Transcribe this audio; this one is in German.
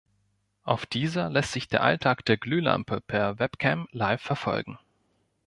Auf dieser lässt sich der Alltag der Glühlampe per Webcam live verfolgen.